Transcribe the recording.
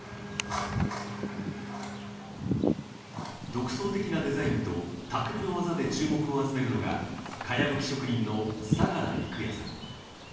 独創的なデザインと匠の技で注目を集めるのがかやぶき職人の相良育弥さん